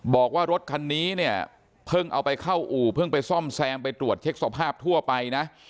บอกว่ารถคันนี้เนี่ยเพิ่งเอาไปเข้าอู่เพิ่งไปซ่อมแซมไปตรวจเช็คสภาพทั่วไปนะ